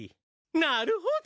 なるほど！